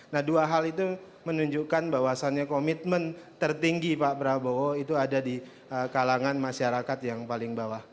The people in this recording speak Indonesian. nah dua hal itu menunjukkan bahwasannya komitmen tertinggi pak prabowo itu ada di kalangan masyarakat yang paling bawah